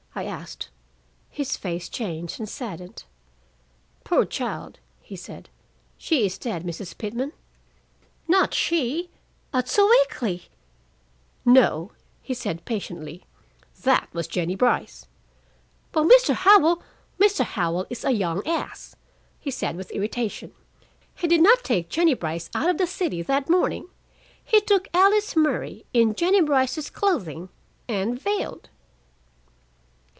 I asked. His face changed and saddened. "Poor child!" he said. "She is dead, Mrs. Pitman!" "Not she at Sewickley!" "No," he said patiently. "That was Jennie Brice." "But Mr. Howell " "Mr. Howell is a young ass," he said with irritation. "He did not take Jennie Brice out of the city that morning. He took Alice Murray in Jennie Brice's clothing, and veiled."